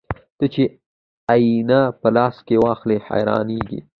ته چې آيينه په لاس کې واخلې حيرانېږې